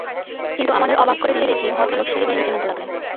কিন্তু আমাদের অবাক করে দিয়ে দেখি ভদ্রলোক সিঁড়ি বেয়ে নিচে নামতে লাগলেন।